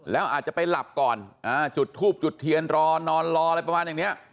แล้วอาจจะไปหลับก่อนจุดทูบจุดเทียนรอนอนรออะไรประมาณอย่างนี้